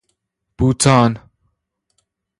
بوتان